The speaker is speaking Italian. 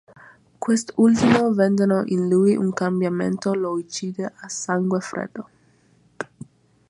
Quest'Ultimo vedendo in lui un cambiamento lo uccide a sangue freddo.